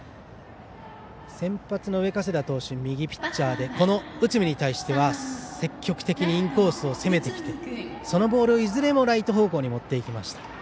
先発の上加世田投手は右ピッチャーで内海に対しては積極的にインコースを攻めてそのボールをいずれもライト方向に持っていきました。